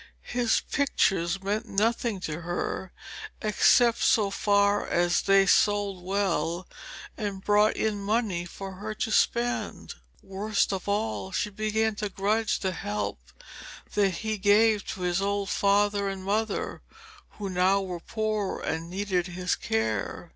His pictures meant nothing to her except so far as they sold well and brought in money for her to spend. Worst of all, she began to grudge the help that he gave to his old father and mother, who now were poor and needed his care.